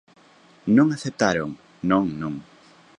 Non aceptaron, non, non.